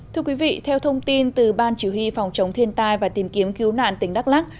thưa quý vị theo thông tin từ ban chỉ huy phòng chống thiên tai và tìm kiếm cứu nạn tỉnh đắk lắc